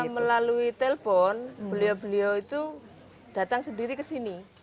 jadi saya lalu telpon beliau beliau itu datang sendiri ke sini